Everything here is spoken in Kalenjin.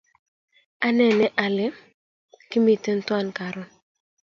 Anene ale kimiten twan karon